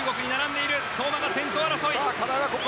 相馬が先頭争い。